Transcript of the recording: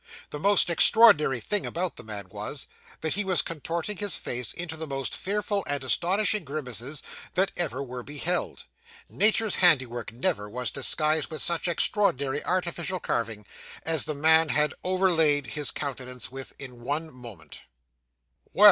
The most extraordinary thing about the man was, that he was contorting his face into the most fearful and astonishing grimaces that ever were beheld. Nature's handiwork never was disguised with such extraordinary artificial carving, as the man had overlaid his countenance with in one moment. 'Well!